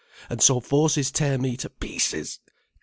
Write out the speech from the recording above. And so forces tear me to pieces!